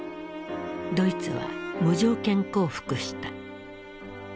ドイツは無条件降伏した。